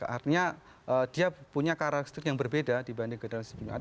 artinya dia punya karakter yang berbeda dibanding generasi sebelumnya